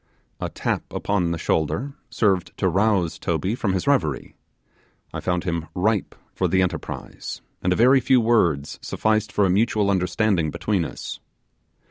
A tap upon the shoulder served to rouse Toby from his reverie; I found him ripe for the enterprise, and a very few words sufficed for a mutual understanding between us.